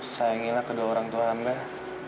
sayanginlah kedua orang tua amrah